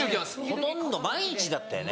ほとんど毎日だったよね。